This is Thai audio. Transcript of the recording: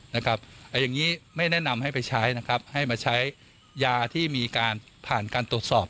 อย่างนี้ไม่แนะนำให้ไปใช้นะครับให้มาใช้ยาที่มีการผ่านการตรวจสอบ